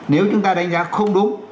nếu chúng ta đánh giá không đúng